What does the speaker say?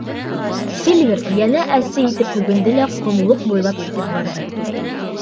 Сильвер йәнә әсе итеп һүгенде лә ҡомлоҡ буйлап китеп барҙы.